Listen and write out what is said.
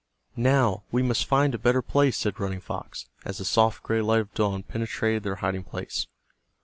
"Now we must find a better place," said Running Fox, as the soft gray light of dawn penetrated their hiding place.